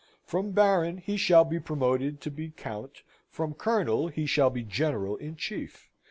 From Baron he shall be promoted to be Count, from Colonel he shall be General in Chief.